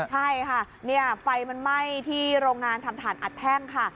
ใช่ค่ะไฟมันไหม้ที่โรงงานทำถ่านอัดแท่งค่ะ